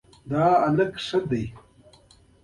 دا هلک ښه ده